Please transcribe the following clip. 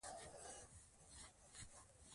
موږ باید بازار ګرم وساتو.